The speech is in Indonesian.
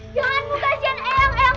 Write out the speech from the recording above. jangan bu kasihan eang eang